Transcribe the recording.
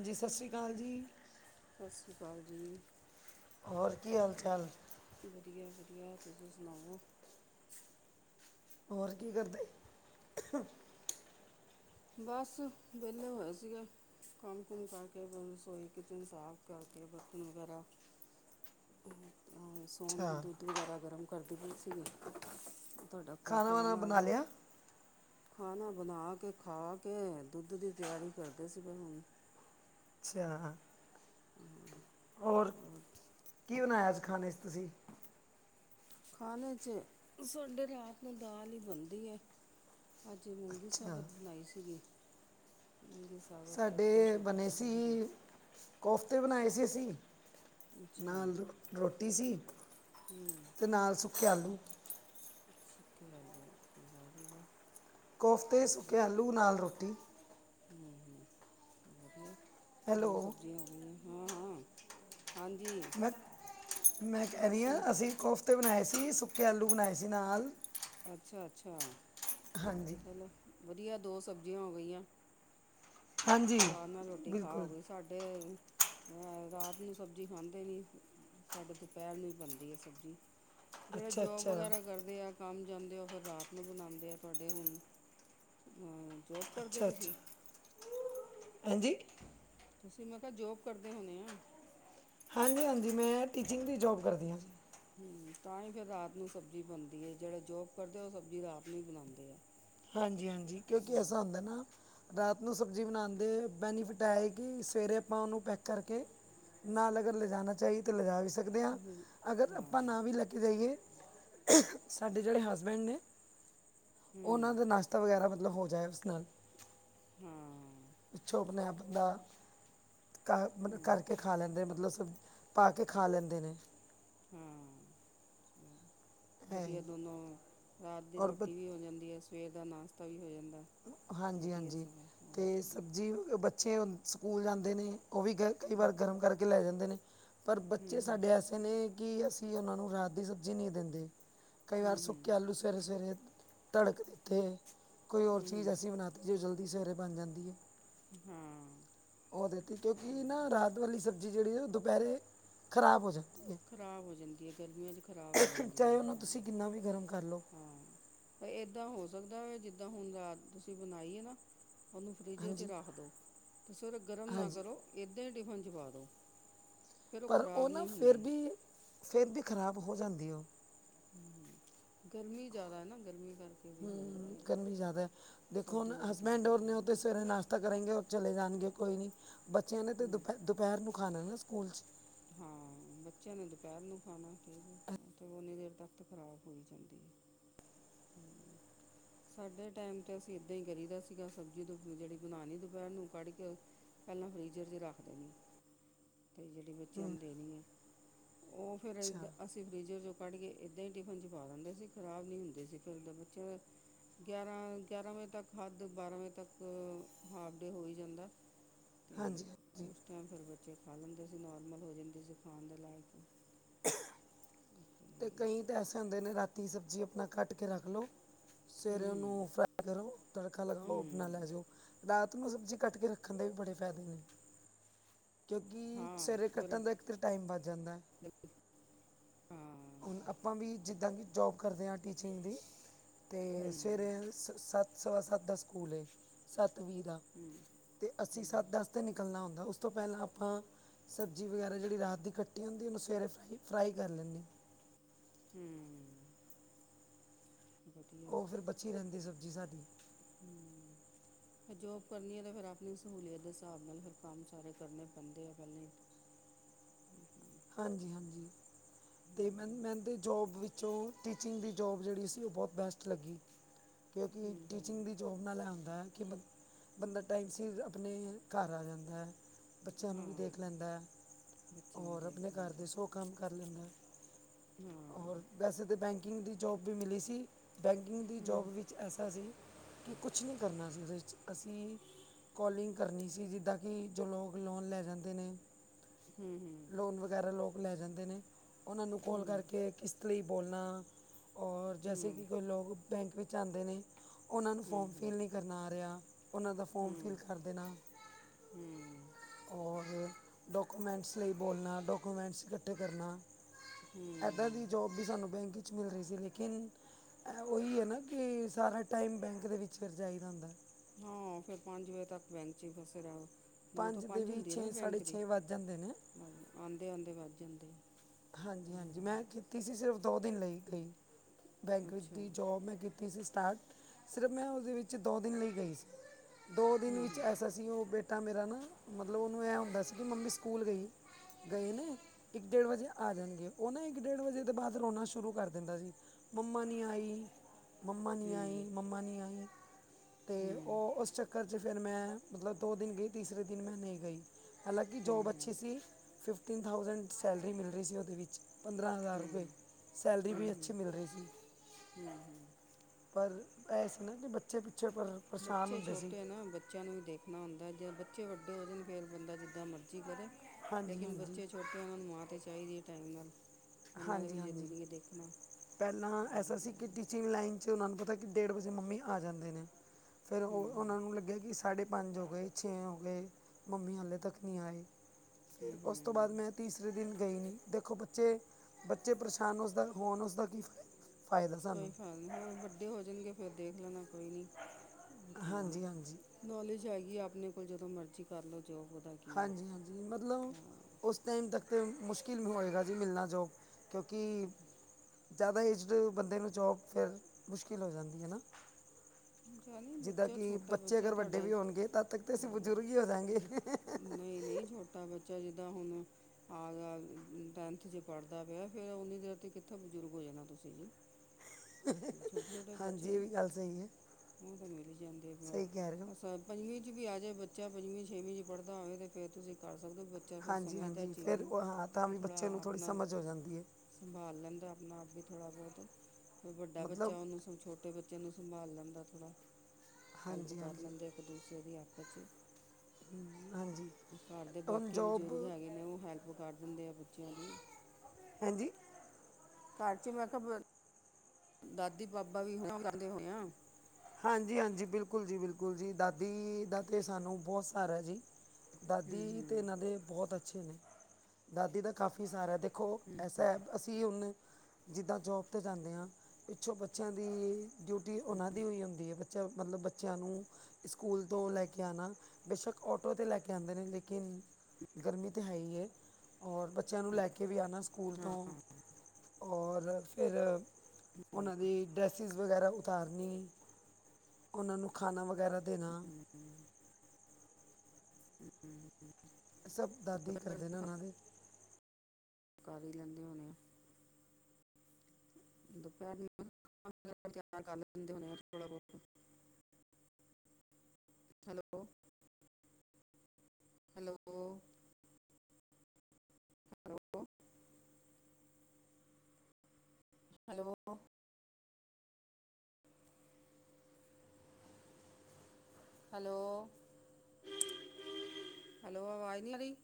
ਜੀ ਸ਼ ਸ਼੍ਰੀ ਕਾਲ ਜੀ। ਸ਼ ਸ਼੍ਰੀ ਕਾਲ ਜੀ। ਹੋਰ ਕੀ ਹਾਲ ਚਾਲ? ਵਧੀਆ-ਵਧੀਆ ਤੁਸੀਂ ਸੁਣਾਵੋ? ਹੋਰ ਕੀ ਕਰਦੇ? ਬਸ ਵੇਲੇ ਹੋਏ ਸੀਗੇ। ਕੰਮ ਕੁੰਮ ਕਰਕੇ, ਰਸੋਈ-ਕਿਚਨ ਸਾਫ਼ ਕਰਕੇ, ਬਰਤਨ ਵਗੈਰਾ ਸੋਣ ਦੇ ਅੱਛਾ ਦੁੱਧ ਵਗੈਰਾ ਗਰਮ ਕਰਦੀ ਪਈ ਸੀਗੀ। ਤੁਹਾਡੇ ਕੋ ਖਾਣਾ ਵਾਣਾ ਫ਼ੋਨ ਆ ਬਣਾ ਗਿਆ। ਲਿਆ ਖਾਣਾ ਬਣਾ ਕੇ, ਖਾ ਕੇ ਦੁੱਧ ਦੀ ਤਿਆਰੀ ਕਰਦੇ ਸੀਗੇ ਹੁਣ। ਅੱਛਾ! ਹੂੰ। ਹੋਰ, ਕੀ ਬਣਾਇਆ ਅੱਜ ਖਾਣੇ 'ਚ ਤੁਸੀਂ? ਖਾਣੇ 'ਚ ਸਾਡੇ ਰਾਤ ਨੂੰ ਦਾਲ ਈ ਬਣਦੀ ਐ। ਅੱਜੇ ਮੂੰਗੀ ਅੱਛਾ ਸਾਬਤ ਬਣਾਈ ਸੀਗੀ, ਮੂੰਗੀ ਸਾਬਤ ਖੁਸ਼ ਸਾਡੇ ਹੋ ਕੇ ਬਣੇ ਖਾ ਲੈਂਦੇ ਸੀ, ਕੋਫਤੇ ਬਣਾਏ ਸੀ ਅਸੀਂ ਅੱਛਾ! ਨਾਲ ਰੋਟੀ ਸੀ ਹੂੰ। ਤੇ ਨਾਲ ਸੁੱਕੇ ਆਲੂ। ਸੁੱਕੇ ਆਲੂ ਵਾ ਜੀ ਵਾ। ਕੋਫਤੇ, ਸੁੱਕੇ ਆਲੂ ਨਾਲ ਰੋਟੀ। ਹੂੰ-ਹੂੰ ਵਧੀਆ ਹੈਲੋ ਦੋ ਸਬਜ਼ੀਆਂ ਹੋ ਗਈਆਂ ਹਾਂ-ਹਾਂ। ਮੈਂ, ਮੈਂ ਕੈ ਹਾਂ ਰੀਆ ਸੁਣ ਅਸੀਂ ਕੋਫਤੇ ਬਣਾਏ ਸੀ, ਸੁੱਕੇ ਆਲੂ ਬਣਾਏ ਸੀ ਨਾਲ। ਅੱਛਾ-ਅੱਛਾ। ਹਾਂਜੀ। ਚਲੋ ਵਧੀਆ ਦੋ ਸਬਜ਼ੀਆਂ ਹੋ ਗਈ ਆ, ਹਾਂਜੀ ਸਵਾਦ ਨਾਲ ਰੋਟੀ ਖਾ ਓ ਬਿਲਕੁਲ ਗੀ। ਤੁਹਾਡੇ ਅ ਰਾਤ ਨੂੰ ਸਬਜ਼ੀ ਖਾਂਦੇ ਨੀ। ਸਾਡੇ ਦੁਪੈਰ ਨੂੰ ਈ ਬਣਦੀ ਐ ਸਬਜ਼ੀ। ਜੇੜੇ ਅੱਛਾ ਜੋਬ ਅੱਛਾ ਵਗੈਰਾ ਕਰਦੇ ਆ, ਕੰਮ ਜਾਂਦੇ ਆ ਓ ਫਿਰ ਰਾਤ ਨੂੰ ਬਣਾਂਦੇ ਆ ਤੁਹਾ ਡੇ ਹੁਣ, ਹਾਂ ਜੋਬ ਕਰਦੇ ਅੱਛਾ-ਅੱਛਾ, ਤੁਸੀਂ ਹੈਂ ਜੀ। ਤੁਸੀਂ ਮੈਂ ਕੇਹਾ ਜੋਬ ਕਰਦੇ ਹੋਣੇ ਐ? ਹਾਂਜੀ-ਹਾਂਜੀ ਮੈਂ ਟੀਚਿੰਗ ਦੀ ਜੋਬ ਕਰਦੀ ਆ ਜੀ। ਹੂੰ ਤਾਂ ਈ ਫੇਰ ਰਾਤ ਨੂੰ ਸਬਜ਼ੀ ਬਣਦੀ ਏ ਜੇੜੇ ਜੋਬ ਕਰਦੇ ਓ ਸਬਜ਼ੀ ਰਾਤ ਨੂੰ ਈ ਬਣਾਂਦੇ ਐ। ਹਾਂਜੀ-ਹਾਂਜੀ ਕਿਉਂਕਿ ਐਸਾ ਹੁੰਦਾ ਨਾ ਰਾਤ ਨੂੰ ਸਬਜ਼ੀ ਬਣਾਉਣ ਦੇ ਬੈਨੀਫਿਟ ਐ ਕਿ ਸਵੇਰੇ ਆਪਾਂ ਉਨੂੰ ਪੈਕ ਕਰਕੇ ਨਾਲ ਅਗਰ ਲੈ ਜਾਨਾ ਚਾਈਏ ਤਾਂ ਲੈ ਜਾ ਵੀ ਸਕ ਸਕਦੇ ਆ, ਅਗਰ ਆਪਾਂ ਹਾਂ ਨਾ ਵੀ ਲੱੱਗ ਜਾਈਏ ਸਾਡੇ ਜੇੜੇ ਹਸਬੈਂਡ ਨੇ ਓਨਾਂ ਹੂੰ ਦਾ ਨਾਸ਼ਤਾ ਵਗੈਰਾ ਮਤਲਬ ਹੋ ਜਾਏ ਉਸ ਨਾਲ ਹੂੰ। ਪਿੱਛੋਂ ਆਪਣੇ ਆਪ ਬੰਦਾ, ਕਰ ਮਤਲਬ ਹੂੰ ਕਰਕੇ ਖਾ ਲੈਂਦੇ ਨੇ ਮਤਲਬ ਸਬ, ਪਾ ਕੇ ਖਾ ਲੈਂਦੇ ਨੇ। ਹੂੰ-ਹੂੰ। ਹੈ ਵਧੀਆ ਹੀ। ਦੋਨੋਂ, ਰਾਤ ਦੀ ਔਰ ਬ- ਰੋਟੀ ਵੀ ਹੋ ਜਾਂਦੀ ਏ ਸਵੇਰ ਦਾ ਨਾਸ਼ਤਾ ਵੀ ਹੋ ਜਾਂਦਾ। ਵਧੀਆ ਹਾਂਜੀ-ਹਾਂਜੀ, ਸਗੋਂ ਹੋਰ ਤੇ ਕੀ ਸਬਜ਼ੀ ਬੱਚੇ ਸਕੂਲ ਜਾਂਦੇ ਨੇ ਓਵੀ ਗ ਕਈ ਵਾਰ ਗਰਮ ਕਰਕੇ ਲੈ ਜਾਂਦੇ ਨੇ, ਪਰ ਬੱਚੇ ਸਾਡੇ ਐਸੇ ਕੈਂਦੇ ਕਿ ਅਸੀਂ ਓਨਾਂ ਨੂੰ ਰਾਤ ਦੀ ਸਬਜ਼ੀ ਨਈ ਦਿੰਦੇ। ਕਈ ਵਾਰ ਹੂੰ ਹੂੰ ਸੁੱਕੇ ਆਲੂ ਸਵੇਰੇ-ਸਵੇਰੇ ਤੜਕੇ ਦਿੱਤੇ, ਕੋਈ ਹੋਰ ਚੀਜ਼ ਐਸੀ ਬਣਾ ਜੰ ਜਲਦੀ ਸਵੇਰੇ ਬਣ ਜਾਂਦੀ ਏ। ਹਾਂ। ਓ ਦਿੱਤੀ ਕਿਉਂਕਿ ਨਾ ਰਾਤ ਵਾਲੀ ਸਬਜ਼ੀ ਜੇੜੀ ਓ ਦੋਪੈਰੇ ਖ਼ਰਾਬ ਹੋ ਜਾਂਦੀ ਆ। ਖ਼ਰਾਬ ਹੋ ਜਾਂਦੀ ਏ, ਗਰਮੀ ਚ ਖ਼ਰਾਬ ਹੋ ਜਾਂਦੀ ਚਾਹੇ ਏ। ਉਹਨੂੰ ਤੁਸੀਂ ਕਿੰਨਾ ਵੀ ਗਰਮ ਕਰ ਲੋ। ਹਾਂ, ਇੱਦਾਂ ਹੋ ਸਕਦਾ ਜਿੱਦਾਂ ਹੁਣ ਰਾਤ ਤੁਸੀਂ ਬਣਾਈ ਏ ਨਾ ਓਨੂੰ ਫਰਿੱਜਰ ਚ ਹਾਂਜੀ ਰੱਖ ਦੋ, ਤੇ ਸਵੇਰੇ ਗਰਮ ਨਾ ਹਾਂਜੀ ਕਰੋ ਏਦਾਂ ਈ ਟਿਫਨ ਚ ਪਾ ਦੋ। ਪਰ ਓ ਨਾ ਫੇਰ ਬੀ, ਫੇਰ ਬੀ ਖਰਾਬ ਹੋ ਜਾਂਦੀ ਓ ਹੂੰ, ਗਰਮੀ ਜਾਦਾ ਏ ਨਾ ਗਰਮੀ ਕਰਕੇ ਵੀ ਹੋ ਹੂੰ, ਜਾਂਦੀ ਹੈ ਗਰਮੀ ਜਾਦਾ, ਦੇਖੋ ਹੁਣ ਸਰਦੀਆਂ 'ਚ ਠੀਕ ਹਸਬੈਂਡ ਹੋਰ ਹੁੰਦੀ ਨੇ ਓ ਹੈ ਤੇ ਸਵੇਰੇ ਨਾਸ਼ਤਾ ਕਰੇਗੇ ਔਰ ਚਲੇ ਜਾਣਗੇ ਕੋਈ ਨੀ ਬੱਚਿਆਂ ਨੇ ਤਾਂ ਹੂੰ ਦੁਪੈ ਦੁਪੈਰ ਨੂੰ ਖਾਣਾ ਨਾ ਸਕੂਲ 'ਚ ਹਾਂ। ਬੱਚਿਆਂ ਨੇ ਦੁਪੈਰ ਨੂੰ ਖਾਣਾ ਠੀਕ ਐ ਓ ਤੇ ਓਨੀ ਦੇਰ ਤੱਕ ਖ਼ਰਾਬ ਹੋਈ ਜਾਂਦੀ ਐ। [inaudible] ਸਾਡੇ ਟੈਮ ਤੇ ਅਸੀਂ ਏਦਾਂ ਇ ਕਰੀ ਦਾ ਸੀਗਾ ਸਬਜ਼ੀ ਦੁਪ ਜੇੜੀ ਬਣਾਣੀ ਦੁਪੈਰ ਨੂੰ ਕੱਢ ਕੇ ਪੈਲਾਂ ਫਰਿਜ਼ਰ 'ਚ ਰੱਖ ਦੇਣੀ, ਤੇ ਜੇੜੀ ਬ ਬੱਚੇਆਂ ਹਮ, ਨੂੰ ਦੇਣੀ ਐ, ਓ ਫਿਰ ਅੱਛਾ ਐਦਾਂ ਅਸ ਫਰੀਜ਼ਰ ਚੋਂ ਕੱਢ ਕੇ ਏਦਾਂ ਈ ਟਿਫਨ ਚ ਪਾ ਦਿੰਦੇ ਸੀ ਖ਼ਰਾਬ ਨੀ ਹੁੰਦੇ ਸੀ ਫਿਰ ਬੱਚਿਆਂ ਦੇ ਗਿਆਰਾਂ-ਗਿਆਰਾਂ ਵਜੇ ਤੱਕ ਹੱਦ ਬਾਰਾਂ ਵਜੇ ਤੱਕ ਹਾਫ ਡੇ ਹੋ ਈ ਜਾਂਦਾ। ਹਾਂਜੀ। ਹਾਂਜੀ ਓ ਟੈਮ ਫੇਰ ਬੱਚੇ ਖਾ ਲੈਂਦੇ ਸੀ ਨੋਰਮਲ ਹੋ ਜਾਂਦੀ ਸੀ ਖਾਣ ਦੇ ਲਾਇਕ [inaudible] ਤੇ ਕਈ ਤਾਂ ਐਸੇ ਹੁੰਦੇ ਨੇ ਰਾਤੀ ਸਬਜ਼ੀ ਆਪਣਾ ਕੱਟ ਕੇ ਰੱਖ ਲਓ, ਸਵੇਰੇ ਹੂੰ ਓਨੂੰ ਫਰਾ ਏਦਾ ਕਰੋ ਤੜਕਾ ਲਗਾਓ ਆਪਣਾ ਲੈ ਹੂੰ ਜਾਓ, ਰਾਤ ਨੂੰ ਸਬਜ਼ੀ ਕੱਟ ਕੇ ਰੱਖਣ ਦੇ ਵੀ ਬੜੇ ਫੈਦੇ ਨੇ ਕਿਉੰਕਿ ਹਾਂ ਸਵੇਰੇ ਫਿਰ ਕੱਟਣ ਦਾ ਏਕ ਤੇ ਟਾਇਮ ਬਚ ਜਾਂਦਾ ਆ। ਹਾਂ ਹੁਣ ਆਪਾਂ ਵੀ ਜਿੱਦਾਂ ਕਿ ਜੋਬ ਕਰਦੇ ਆ ਟੀਚਿੰਗ ਦੀ ਤੇ ਹੂੰ ਸਵੇਰੇ ਸ ਸੱਤ ਸਵਾ ਸੱਤ ਦਾ ਸਕੂਲ, ਸੱਤਵੀਂ ਵੀ ਦਾ ਹੂੰ ਤੇ ਅਸੀਂ ਸੱਤ ਦੱਸ ਤੇ ਨਿਕਲਣਾ ਹੁੰਦਾ ਓਸ ਤੋਂ ਪੈਲਾਂ ਆਪਾਂ ਸਬਜ਼ੀ ਵਗੈਰਾ ਜੇੜੀ ਰਾਤ ਦੀ ਕੱਟੀ ਹੁੰਦੀ ਏ ਓਨੂੰ ਸਵੇਰੇ ਫਰਾਈ-ਫਰਾਈ ਕਰ ਲੈਂਣੇ ਆ। ਹੂੰ। ਵਧੀਆ ਫੇਰ ਬੱਚੀ ਰੈਂਦੀ ਸਬਜ਼ੀ ਸਾਡੀ [inaudible] ਫੇਰ ਜੋਬ ਕਰਨੀ ਐ ਤੇ ਫੇਰ ਆਪਣੀ ਸਹੂਲੀਅਤ ਦੇ ਸਾਬ ਨਾਲ ਫੇਰ ਕੰਮ ਸਾਰੇ ਕਰਨੇ ਪੈਂਦੇ ਆ ਪੈਲਾਂ ਈ। ਹਾਂਜੀ-ਹਾਂਜੀ ਤੇ ਮ ਮੈਂਦੇ ਜੋਬ ਵਿੱ ਜੋ ਟੀਚਿੰਗ ਦੀ ਜੋਬ ਜੇੜੀ ਸੀ ਓ ਬੋਤ ਬੈਸਟ ਲੱਗੀ। ਕਿਓਂਕਿ ਹੂੰ ਟੀਚਿੰਗ ਦੀ ਜੋਬ ਨਾਲ ਐ ਹੁੰਦਾ ਕੇ ਬੱ ਬੰਦਾ ਟਾਈਮ ਸਿਰ ਆਪਨੇ ਘਰ ਆ ਜਾਂਦੈ। ਬੱਚੇਆਂ ਨੂੰ ਵੀ ਹਾਂ ਦੇਖ ਲੈਂਦਾ ਬੱਚਿਆਂ ਨੂੰ ਔਰ ਦੇਖ ਆਪਨੇ ਘਰ ਲੈਂਦਾ ਦੇ ਸੌ ਕੰਮ ਕਰ ਲੈਂਦਾ ਏ। ਔਰ ਹਾਂ ਵੈਸੇ ਤਾਂ ਬੈਂਕਿੰਗ ਦੀ ਜੋਬ ਵੀ ਮਿਲੀ ਸੀ ਬੈਂਕਿੰਗ ਦੀ ਜੋਬ ਵੀ ਵਿੱਚ ਐਸਾ ਸੀ ਕੇ ਕੁਛ ਨੀ ਕਰਨਾ ਸੀ ਓਦੇ ਵਿੱਚ ਅਸੀਂ। ਕੋਲਿੰਗ ਕਰਨੀ ਸੀ ਜਿੱਦਾਂ ਕੇ ਜੋ ਲੋਕ ਲੋਨ ਲੈ ਜਾਂਦੇ ਨੇ। ਹੂੰ-ਹੂੰ। ਲੋਨ ਵਗੈਰਾ ਲੋਕ ਲੈ ਜਾਂਦੇ ਨੇ ਓਨਾਂ ਨੂੰ ਕੋਲ ਕਰਕੇ ਕਿਸ਼ਤ ਲਈ ਬੋਲਨਾ। ਔਰ ਜੈਸੇ ਕੀ ਕੋਈ ਲੋਕ ਬੈਂਕ ਵਿੱਚ ਆਂਦੇ ਨੇ ਓਨਾਂ ਨੂੰ ਫੋਮ ਫਿਲ ਨਈ ਕਰਨਾ ਆ ਰਿਆ ਓਨਾਂ ਦਾ ਫੋਮ ਹੂੰ ਫਿਲ ਕਰ ਦੇਨਾ। ਹੂੰ ਔਰ ਡਾਕੂਮੈਂਟਸ ਲਈ ਬੋਲਨਾ ਡਾਕੂਮੈਂਟਸ ਕੱਠੇ ਕਰਨਾ ਏਦਾਂ ਦੀ ਜੋਬ ਵੀ ਸਾਨੂੰ ਬੈਂਕ ਚ ਮਿਲ ਰਈ ਸੀ ਲੇਕਿਨ ਏ ਓਹੀ ਐ ਨਾ ਕੇ ਸਾਰਾ ਟਾਈਮ ਬੈਂਕ ਦੇ ਵਿਚ ਫਿਰ ਜਾਈਦਾ ਹੁੰਦਾ। ਹਾਂ ਫੇਰ ਪੰਜ ਵਜੇ ਤੱਕ ਬੈਂਕ ਚ ਈ ਫਸੇ ਰਓ। ਨੌ ਤੋਂ ਦੇ ਪੰਜ ਵੀ ਹੁੰਦੀ ਆ ਨਾ ਛੇ ਸਾਢੇ ਬੈਂਕ ਦੀ, ਛੇ ਵੱਜ ਜਾਂਦੇ ਨੇ ਆਂਦੇ-ਆਂਦੇ ਵੱਧ ਜਾਂਦੇ ਆ। ਹਾਂਜੀ-ਹਾਂਜੀ ਮੈਂ ਕੀਤੀ ਸੀ ਸਿਰਫ ਦੋ ਦਿਨ ਲਈ ਗਈ ਬੈਂਕ ਵਿੱਚ ਅੱਛਾ ਦੀ ਹੂੰ ਜੋਬ ਮੈਂ ਕੀ ਤੀ ਸੀ ਸਟਾਟ ਸਿਰਫ ਮੈਂ ਓਦੇ ਵਿੱਚ ਦੋ ਦਿਨ ਲਈ ਗਈ ਸੀ ਦੋ ਦਿਨ ਵਿੱਚ ਐਸ ਐਸ ਸੀ ਓ ਬੇਟਾ ਮੇਰਾ ਨਾ, ਮਤਲਬ ਓਨੂੰ ਐ ਹੁੰਦਾ ਸੀ ਕੇ ਮੰਮੀ ਸਕੂਲ ਗਈ। ਗਏ ਨੇ, ਇੱਕ ਡੇਢ ਵਜੇ ਆ ਆ ਜਾਨਗੇ ਓ ਨਾ ਇੱਕ ਡੇਢ ਵਜੇ ਦੇ ਬਾਦ ਰੋਨਾ ਸ਼ੁਰੂ ਕਰ ਦਿੰਦਾ ਸੀ, ਮੰਮਾ ਨੀ ਆਈ ਮੰਮਾ ਨੀ ਆਈ ਹੂੰ ਮੰਮਾ ਨੀ ਆਈ, ਤੇ ਓ ਉਸ ਚੱਕ ਕਰ ਚ ਫਿਰ ਮੈਂ ਮਤਲਬ ਦੋ ਦਿਨ ਗਈ ਤੀਸਰੇ ਦਿਨ ਮੈਂ ਨਈਂ ਗਈ। ਹਾਲਾਂਕਿ ਜੋਬ ਅੱਛੀ ਸੀ ਫਿਫਟੀਨ ਥਾਊਜੈਟ ਸੈਲਰੀ ਮਿਲ ਰਈ ਸੀ ਓਦੇ ਵਿੱ ਚ ਪੰਦਰਾਂ ਹਜ਼ਾਰ ਰੁਪਏ, ਸੈਲਰੀ ਵੀ ਅੱਛੀ ਮਿਲ ਰਈ ਸੀ। ਹੂੰ-ਹੂੰ। ਪਰ ਐ ਸੀ ਨਾ ਕੇ ਬੱਚੇ ਪਿੱਛੇ ਫਿਰ ਬੱਚੇ ਛੋਟੇ ਐ ਨਾ ਬੱ ਬੱਚੇਆਂ ਨੂੰ ਵੀ ਦੇਖਨਾ ਹੁੰਦਾ ਏ ਜੇ ਬੱਚੇ ਵੱਡੇ ਹੋ ਜਾਨ ਫੇਰ ਬੰਦਾ ਜਿੱਦਾਂ ਮਰਜ਼ੀ ਕਰੇ। ਹਾਂਜੀ ਲੇਕਿਨ ਹਾਂਜੀ ਬੱਚੇ ਛੋਟੇ ਹੋਨ ਓਨਾਂ ਨੂੰ ਮਾਂ ਤੇ ਚਾਈਦੀ ਐ ਟੈਮ ਨਾਲ ਈ। ਹਾਂਜੀ-ਹਾਂਜੀ। ਪੈਲਾਂ ਐਸਾ ਸੀ ਕੇ ਹੂੰ ਟੀਚਿੰਗ ਲਾਈਨ ਚ ਓਨਾਂ ਨੂੰ ਪਤਾ ਕਿ ਡੇਢ ਵਜੇ ਮੰਮੀ ਆ ਜਾਂਦੇ ਨੇ। ਫੇਰ ਓ ਹੂੰ ਹੂੰ, ਓਨਾਂ ਨੂੰ ਲੱਗਿਆ ਕੀ ਸ ਸਾਢੇ ਪੰਜ ਹੋ ਗਏ ਛੇ ਹੋ ਗਏ ਮੰਮੀ ਹਾਲੇ ਤੱਕ ਨਈ ਆਏ ਫਿਰ ਹੂੰ ਉਸ ਤੋਂ ਬਾਦ ਹੂੰ ਮੈਂ ਤੀਸਰੇ ਦਿਨ ਗਈ ਨੀ, ਦੇਖੋ ਬੱਚੇ-ਬੱਚੇ ਪਰੇਸ਼ਾਨ ਉਸਦਾ ਹੋਨ ਉਸਦਾ ਕੀ ਫਾਇਦਾ ਸਾਨੂੰ ਕੋਈ ਫਾਇਦਾ ਨੀ ਹੋਰ ਵੱਡੇ ਹੋ ਜਾਨਗੇ ਫਿਰ ਦੇਖ ਲੈਨ ਕੋਈ ਨੀ ਵਕੀਲ ਨ ਹਾਂਜੀ ਹਾਂਜੀ ਨੌਲੇਜ ਹੈਗੀ ਆਪਨੇ ਕੋਲ ਜਦੋਂ ਮਰਜ਼ੀ ਕਰ ਲੋ ਜੋਬ ਓਦਾ ਹਾਂਜੀ-ਹਾਂਜੀ ਮਤਲਬ ਉਸ ਟਾਈਮ ਤੱਕ ਤੇ ਮੁਸ਼ਕਿਲ ਵੀ ਹੋਏਗਾ ਜੀ ਮਿਲਨਾ ਜੋਬ ਕਿਓਂਕਿ ਜਾਦਾ ਏਜਡ ਬੰਦੇ ਨੂੰ ਜੋਬ ਫਿਰ ਮੁਸ਼ਕਿਲ ਹੋ ਜਾਂਦੀ ਐ ਨਾ। ਜਾਨੀ ਜਿੱਦਾਂ ਬੱਚਾ ਕੀ ਛੋਟਾ ਬੱਚੇ ਬੱਚਾ ਅਗਰ ਵੱਡੇ ਤੁਹਾਡਾ ਵੀ ਹੋਨਗੇ ਤਦ ਤੱਕ ਤਾਂ ਅਸੀਂ ਬਜ਼ੁਰਗ ਈ ਹੋਜਾਂਗੇ। ਨਈਂ-ਨਈਂ ਛੋਟਾ ਬੱਚਾ ਜਿੱਦਾਂ ਹੁਨ ਆ ਲਾਲ ਟੈਨਥ ਚ ਪੜਦਾ ਪਿਆ ਫਿਰ ਓਨੀ ਦੇਰ ਤੀਕ ਕਿੱਥੋਂ ਬਜ਼ੁਰਗ ਹੋ ਜਾਨਾ ਤੁਸੀਂ ਜੀ। ਛੋਟੇ-ਛੋਟੇ ਬੱਚੇ ਹਾਂਜੀ ਇਹ ਆ ਵੀ ਗੱਲ ਸਹੀ ਹੈ ਓ ਤਾਂ ਮਿਲ ਈ ਜਾਂਦੇ ਆ ਬਾਰ ਸਹੀ ਕਹਿ ਰਹੇ ਹੋ ਅਸਲ ਪੰਜਵੀਂ 'ਚ ਵੀ ਆ ਜਾਵੇ ਬੱਚਾ ਪੰਜਵੀਂ ਛੇਵੀਂ 'ਚ ਪੜ੍ਹਦਾ ਹੋਵੇ ਤਾਂ ਫਿਰ ਤੁਸੀਂ ਕਰ ਸਕਦੇ ਹੋ ਗੱਲ। ਤੇ ਫਿਰ ਹਾਂਜੀ ਸਮਝਦਾ ਹਾਂਜੀ ਚੀਜ਼ ਫਿਰ ਨੂੰ, ਉਹ ਹਾਂ ਤਾਂ ਫਿਰ ਵੀ ਥੋੜ੍ਹਾ ਬੱਚੇ ਨੂੰ ਆਪ ਥੋੜੀ ਨਾ ਸਮਝ ਹੋ ਜਾਂਦੀ ਹੈ ਸੰਭਾਲ ਲੈਂਦਾ ਆਪਣਾ ਆਪ ਵੀ ਥੋੜਾ ਬਹੁਤ। ਫਿਰ ਵੱਡਾ ਮਤਲਬ ਬੱਚਾ ਉਹਨੂੰ ਸਭ ਛੋਟੇ ਬੱਚਿਆਂ ਨੂੰ ਸੰਭਾਲ ਲੈਂਦਾ, ਥੋੜ੍ਹਾ ਹੈਲਪ ਹਾਂਜੀ ਕਰ ਹਾਂਜੀ ਲੈਂਦੇ ਆ। ਇੱਕ ਦੂਸਰੇ ਦੀ ਆਪਸ 'ਚ। ਹਾਂਜੀ ਘਰ ਦੇ ਹੁਣ ਬਾਕੀ ਜੋਬ ਬਜ਼ੁਰਗ ਹੈਗੇ ਨੇ ਉਹ ਹੈਲਪ ਕਰ ਦਿੰਦੇ ਆ ਬੱਚਿਆਂ ਦੀ। ਹੈਂ ਜੀ। ਘਰ ਚ ਮੈਂ ਕਿਹਾ ਫੇਰ। ਦਾਦੀ ਬਾਬਾ ਵੀ ਹੈਲਪ ਕਰਦੇ ਹੋਣੇ ਆ। ਹਾਂਜੀ-ਹਾਂਜੀ ਬਿਲਕੁਲ ਜੀ ਬਿਲਕੁਲ ਜੀ ਦਾਦੀ ਦਾ ਤੇ ਸਾਨੂੰ ਬਹੁਤ ਸਹਾਰਾ ਜੀ। ਦਾਦੀ ਤੇ ਹੂੰ ਇਹਨਾਂ ਦੇ ਬਹੁਤ ਅੱਛੇ ਨੇ, ਦਾਦੀ ਤਾਂ ਕਾਫੀ ਸਾਰਿਆਂ ਤੇ। ਦੇਖੋ, ਐਸਾ ਐ ਅਸੀਂ ਹੁਨੇ। ਜਿੱਦਾਂ ਜੋਬ 'ਤੇ ਜਾਂਦੇ ਆ, ਪਿੱਛੋਂ ਬੱਚਿਆਂ ਦੀ ਡਿਊਟੀ ਉਹਨਾਂ ਦੀ ਡਿਊਟੀ ਹੁੰਦੀ ਐ ਬੱਚਾ ਮਤਲਬ ਬੱਚਿਆਂ ਨੂੰ ਸਕੂਲ ਤੋਂ ਲੈ ਕੇ ਆਣਾ, ਬੇਸ਼ੱਕ ਆਟੋ 'ਤੇ ਲੈ ਕੇ ਆਂਦੇ ਨੇ ਲੇਕਿਨ ਗਰਮੀ ਤੇ ਹੈ ਈ ਐ। ਬੱਚਿਆਂ ਨੂੰ ਲੈ ਕੇ ਵੀ ਆਣਾ ਸਕੂਲ ਹਾਂ ਤੋਂ, ਔਰ ਫਿਰ ਉਹਨਾਂ ਦੀ ਡਰੈਸਿਸ ਵਗੈਰਾ ਉਤਾਰਨੀ। ਉਹਨਾਂ ਨੂੰ ਖਾਣਾ ਵਗੈਰਾ ਦੇਣਾ। [inaudible] ਸਭ ਦਾਦੀ ਕਰਦੇ ਨੇ ਉਹਨਾਂ ਦੇ ਕਰ ਈ ਲੈਂਦੇ ਹੋਣੇ ਆ। ਦੁਪਹਿਰੇ [unintelligible] ਕਰ ਦਿੰਦੇ ਹੋਣੇ ਆ ਥੋੜਾ ਬੋਤਾ। Hello hello. Hello. Hello hello, hello ਅਵਾਜ਼ ਨੀ ਆ ਰੀ?